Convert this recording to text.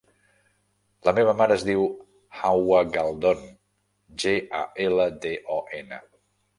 La meva mare es diu Hawa Galdon: ge, a, ela, de, o, ena.